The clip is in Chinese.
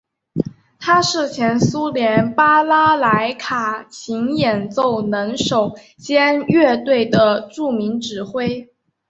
他是前苏联巴拉莱卡琴演奏能手兼乐队的著名指挥。